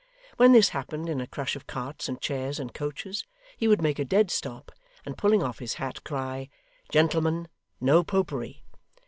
When this happened in a crush of carts and chairs and coaches, he would make a dead stop, and pulling off his hat, cry, 'Gentlemen, No Popery!